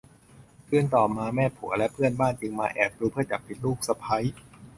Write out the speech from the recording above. คืนต่อมาแม่ผัวและเพื่อนบ้านจึงมาแอบดูเพื่อจับผิดลูกสะใภ้